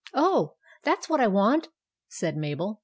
" Oh, that s what I want !" said Mabel.